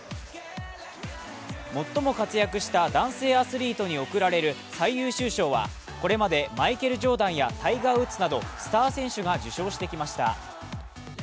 最も活躍した男性アスリートに贈られる最優秀賞はこれまでマイケル・ジョーダンやタイガー・ウッズなどスター選手が受賞してきました。